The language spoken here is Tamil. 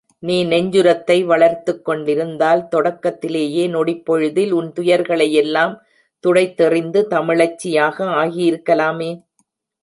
நீ நெஞ்சுரத்தை வளர்த்துக்கொண்டிருந்தால், தொடக்கத்திலேயே நொடிப்பொழுதில் உன் துயர்களையெல்லாம் துடைத் தெறிந்து, தமிழச்சி யாக ஆகியிருக்கலாமே?